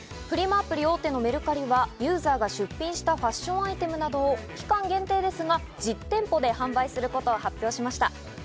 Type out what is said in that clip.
アプリ大手のメルカリはユーザーが出品したファッションアイテムなどを期間限定ですが実店舗で販売することを発表しました。